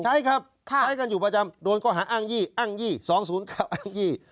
ใช้ครับใช้กันอยู่ประจำโดนข้อหาอ้างยี่อ้างยี่๒๐๙อ้างยี่